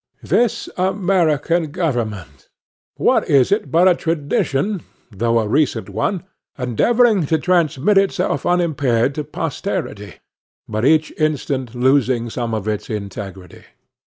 This American government,—what is it but a tradition, though a recent one, endeavoring to transmit itself unimpaired to posterity, but each instant losing some of its integrity?